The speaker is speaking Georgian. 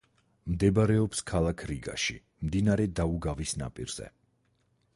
მდებარეობს ქალაქ რიგაში, მდინარე დაუგავის ნაპირზე.